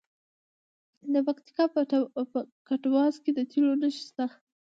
د پکتیکا په کټواز کې د تیلو نښې شته.